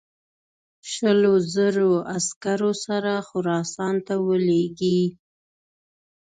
شلو زرو عسکرو سره خراسان ته ولېږي.